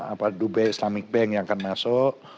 apa dubai islamic bank yang akan masuk